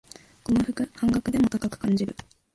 この服、半額でも高く感じる